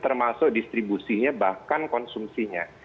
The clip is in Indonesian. termasuk distribusinya bahkan konsumsinya